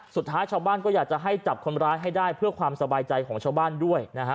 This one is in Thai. สุดท้ายชาวบ้านก็อยากจะให้จับคนร้ายให้ได้เพื่อความสบายใจของชาวบ้านด้วยนะฮะ